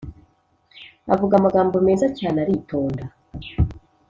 avuga amagambo meza cyane aritonda